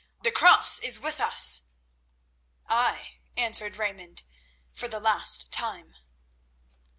The Cross is with us!" "Ay," answered Raymond, "for the last time."